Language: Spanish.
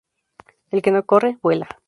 El que no corre, vuela